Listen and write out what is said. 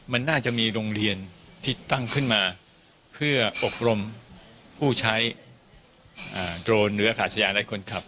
มันน่าจะมีโรงเรียนที่ตั้งขึ้นมาเพื่ออบรมผู้ใช้โดรนเหนืออากาศยานและคนขับ